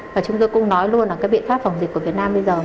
và chúng tôi cũng nói luôn là cái biện pháp phòng dịch của việt nam bây giờ